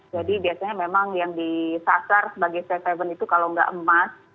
jadi biasanya memang yang disasar sebagai safe haven itu kalau nggak emas